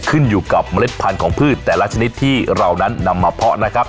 ขึ้นอยู่กับเมล็ดพันธุ์ของพืชแต่ละชนิดที่เรานั้นนำมาเพาะนะครับ